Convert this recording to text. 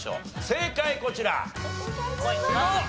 正解こちら。